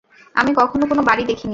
আমি কখনও কোনো বাড়ি দেখিনি।